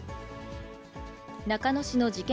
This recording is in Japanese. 中野市の事件